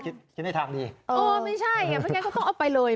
คิดได้ทางดีอ๋อไม่ใช่เพราะฉะนั้นเขาต้องเอาไปเลย